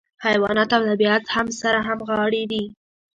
حیوانات او طبیعت هم سره همغاړي دي.